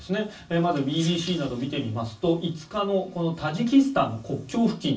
まず、ＢＢＣなどを見てみますと５日のタジキスタンの国境付近